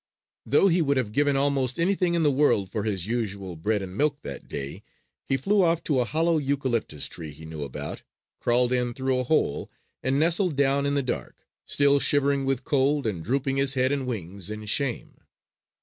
Though he would have given almost anything in the world for his usual bread and milk that day, he flew off to a hollow eucalyptus tree he knew about, crawled in through a hole, and nestled down in the dark, still shivering with cold and drooping his head and wings in shame.